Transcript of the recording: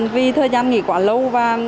vì thời gian nghỉ quá lâu và